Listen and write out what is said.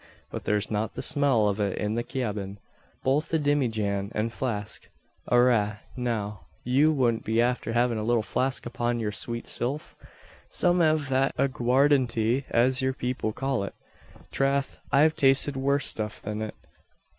But thare's not the smell av it in the cyabin. Both the dimmy jan an flask. Arrah, now; you wouldn't be afther havin' a little flask upon yer sweet silf? Some av that agwardinty, as yer people call it. Trath, I've tasted worse stuff than it.